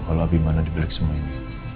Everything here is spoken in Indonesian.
kalau abie mana di belakang semua ini